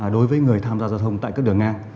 đối với người tham gia giao thông tại các đường ngang